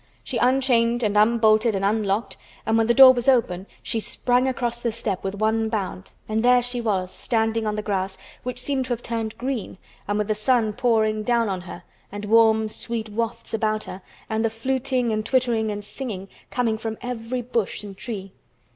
She unchained and unbolted and unlocked and when the door was open she sprang across the step with one bound, and there she was standing on the grass, which seemed to have turned green, and with the sun pouring down on her and warm sweet wafts about her and the fluting and twittering and singing coming from every bush and tree.